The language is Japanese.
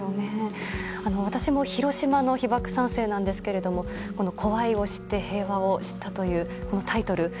私も、広島の被爆３世なんですけれども「こわいをしって、へいわがわかった」というこのタイトル。